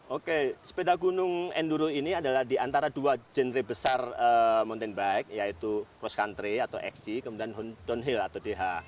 oke sepeda gunung enduro ini adalah di antara dua genre besar mountain bike yaitu cross country atau xi kemudian downhill atau dh